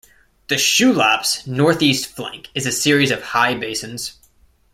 The Shulaps' northeast flank is a series of high basins.